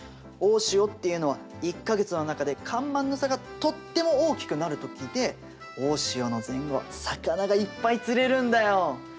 大潮っていうのは１か月の中で干満の差がとっても大きくなる時で大潮の前後は魚がいっぱい釣れるんだよ！